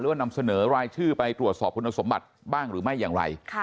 นำเสนอรายชื่อไปตรวจสอบคุณสมบัติบ้างหรือไม่อย่างไร